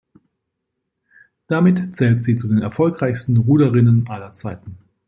Damit zählt sie zu den erfolgreichsten Ruderinnen aller Zeiten.